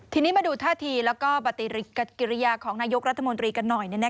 ทีนี้มาดูท่าทีแล้วก็ปฏิกิริยาของนายกรัฐมนตรีกันหน่อย